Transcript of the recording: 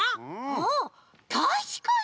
あったしかに。